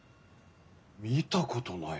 見たことないな。